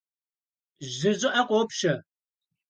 Жьы щӀыӀэ къопщэ.